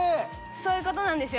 そういう事なんですよ。